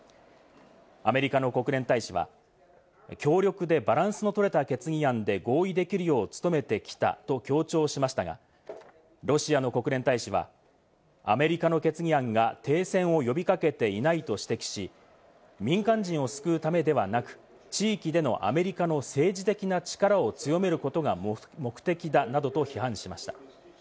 アメリカの国連大使は、協力でバランスのとれた決議案で合意できるよう努めてきたと強調しましたが、ロシアの国連大使はアメリカの決議案が停戦を呼び掛けていないと指摘し、民間人を救うためではなく、地域でのアメリカの政治的な力を強めることが目的だなどと批判しました。